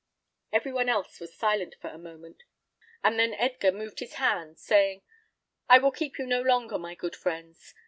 Every one else was silent for a moment, and then Edgar moved his hand, saying, "I will keep you no longer, my good friends.